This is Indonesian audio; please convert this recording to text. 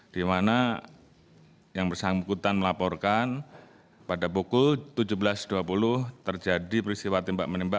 di mana yang bersangkutan melaporkan pada pukul tujuh belas dua puluh terjadi peristiwa tembak menembak